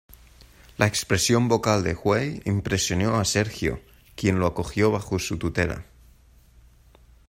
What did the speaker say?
La expresión vocal de Huey impresionó a Sergio, quien lo acogió bajo su tutela.